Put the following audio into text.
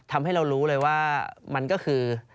ทำให้เรารู้เลยว่ามันก็คือ